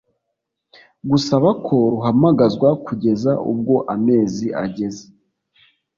gusaba ko ruhamagazwa kugeza ubwo amezi ageze